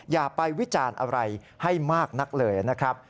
อย่าไปวิจารณ์อะไรให้มากนักเลยนะครับ